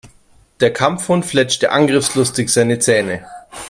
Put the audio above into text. Der Kampfhund fletschte angriffslustig seine Zähne.